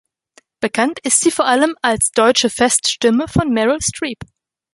Bekannt ist sie vor allem als deutsche Feststimme von Meryl Streep.